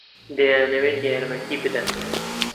دەیانەوێت یارمەتی بدەن.